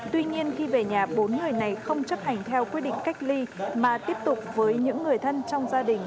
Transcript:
theo quyết định cách ly mà tiếp tục với những người thân trong gia đình